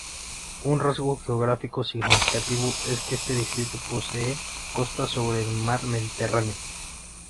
Un rasgo geográfico significativo es que este distrito posee costas sobre el mar Mediterráneo.